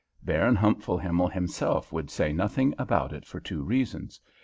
Baron Humpfelhimmel himself would say nothing about it for two reasons.